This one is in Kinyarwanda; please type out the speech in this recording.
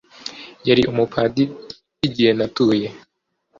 yari umupadiri igihe natuye.